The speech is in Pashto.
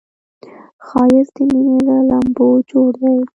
ښایست د مینې له لمبو جوړ دی